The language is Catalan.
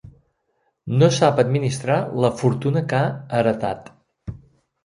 No sap administrar la fortuna que ha heretat.